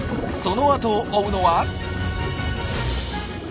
そのあとを追うのは。